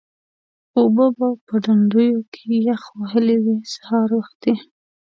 اوبه به په ډنډوکیو کې یخ وهلې وې سهار وختي.